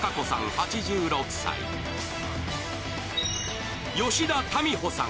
８６歳吉田民穂さん